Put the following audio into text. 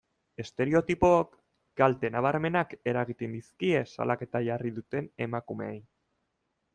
Estereotipook kalte nabarmenak eragiten dizkie salaketa jarri duten emakumeei.